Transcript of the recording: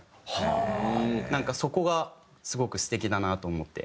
なんかそこがすごく素敵だなと思って。